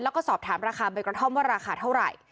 แล้วก็สอบถามราคาใบกระท่อมว่าราคาเท่าไหร่